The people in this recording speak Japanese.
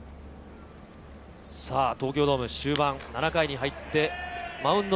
東京ドーム、終盤７回に入ってマウンド